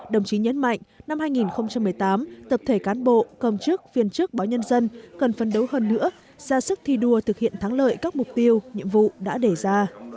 đồng chí nhấn mạnh năm hai nghìn một mươi tám tập thể cán bộ công chức viên chức báo nhân dân cần phân đấu hơn nữa ra sức thi đua thực hiện thắng lợi các mục tiêu nhiệm vụ đã đề ra